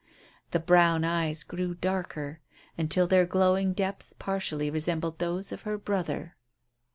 The brown eyes grew darker until their glowing depths partially resembled those of her brother.